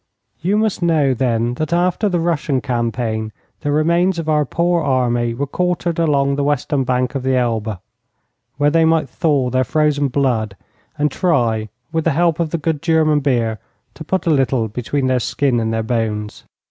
You must know, then, that after the Russian campaign the remains of our poor army were quartered along the western bank of the Elbe, where they might thaw their frozen blood and try, with the help of the good German beer, to put a little between their skin and their bones.